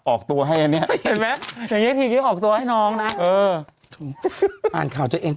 ออกตัวให้อันนี้เห็นไหมอย่างนี้ทีนี้ออกตัวให้น้องนะเอออ่านข่าวตัวเอง